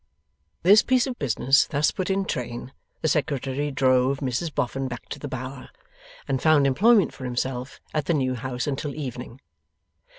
This piece of business thus put in train, the Secretary drove Mrs Boffin back to the Bower, and found employment for himself at the new house until evening.